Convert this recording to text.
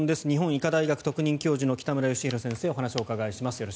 日本医科大学特任教授の北村義浩先生にお話をお伺いします。